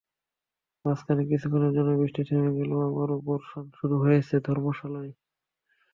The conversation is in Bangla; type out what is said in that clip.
মাঝখানে কিছুক্ষণের জন্য বৃষ্টি থেমে গেলেও আবারও বর্ষণ শুরু হয়েছে ধর্মশালায়।